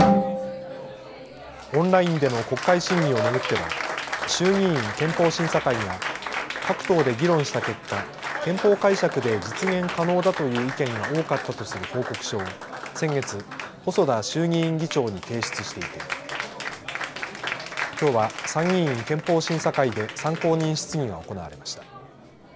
オンラインでの国会審議を巡っては衆議院憲法審査会が各党で議論した結果、憲法解釈で実現可能だという意見が多かったとする報告書を先月、細田衆議院議長に提出していてきょうは参議院憲法審査会で参考人質疑が行われました。